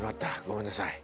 ごめんなさい。